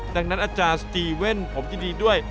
ดังนั้นอาจารย์สตีเว่นผมยินดีด้วย